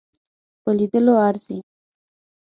په لیدلو ارزي.